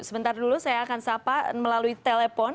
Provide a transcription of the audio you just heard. sebentar dulu saya akan sapa melalui telepon